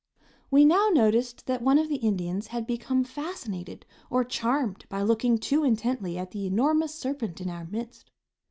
We now noticed that one of the Indians had become fascinated or charmed by looking too intently at the enormous serpent in our midst.